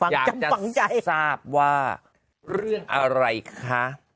ฝังใจทราบว่าเรื่องอะไรคะ